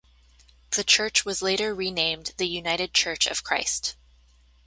The church was later renamed the United Church of Christ.